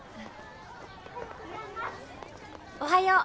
・おはよう。